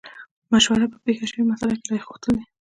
مشوره په پېښه شوې مسئله کې رايه غوښتل دي.